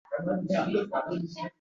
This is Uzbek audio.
O’n sakkizda edi bu olam.